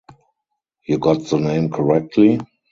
You got the name correctly?